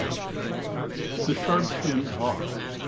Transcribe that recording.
] THE SHARP SHINNED HAWK.